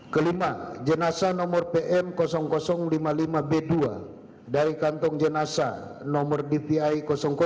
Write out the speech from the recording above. kelima jenazah nomor pm lima puluh lima b dua dari kantong jenasa nomor dvi